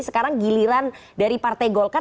sekarang giliran dari partai golkar